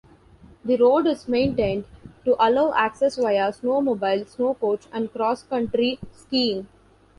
The road is maintained to allow access via snowmobile, snow coach, and cross-country skiing.